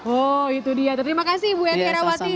oh itu dia terima kasih bu yanti rawati